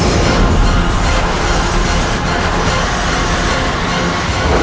suku luar biasa